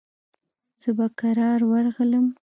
زه به کرار ورغلم.